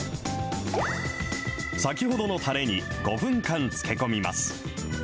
先ほどのたれに５分間漬け込みます。